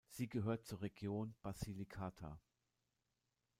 Sie gehört zur Region Basilikata.